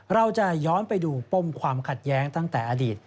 เราจะย้อนไปดูปมความขัดแย้งตั้งแต่อดีต